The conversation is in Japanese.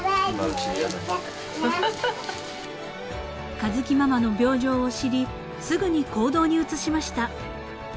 ［佳月ママの病状を知りすぐに行動に移しました］